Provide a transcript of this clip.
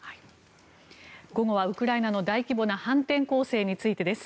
午後はウクライナの大規模な反転攻勢についてです。